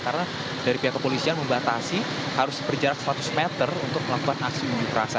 karena dari pihak kepolisian membatasi harus berjarak seratus meter untuk melakukan aksi di masa